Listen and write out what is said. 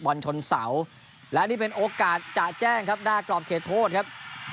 ชนเสาและนี่เป็นโอกาสจะแจ้งครับหน้ากรอบเขตโทษครับ